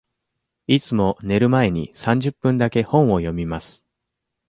いつも寝る前に三十分だけ本を読みます。